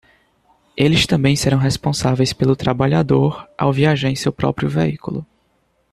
Eles também serão responsáveis pelo trabalhador ao viajar em seu próprio veículo.